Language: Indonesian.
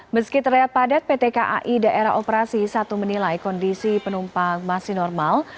meski terlihat padat pt kai daerah operasi satu menilai kondisi penumpang masih normal